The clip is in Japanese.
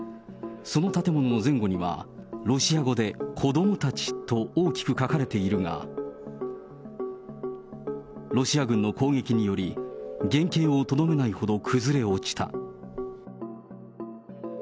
その建物の前後には、ロシア語で、子どもたちと大きく書かれているが、ロシア軍の攻撃により、原形をとどめないほど崩れ落ちた。